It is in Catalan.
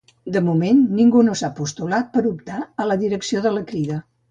De moment ningú s'ha postulat per optar a la direcció de la Crida